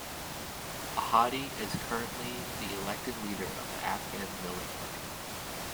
Ahady is currently the elected leader of the Afghan Millat Party.